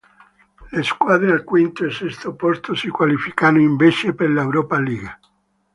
Le squadre al quinto e sesto posto si qualificano invece per l'Europa League.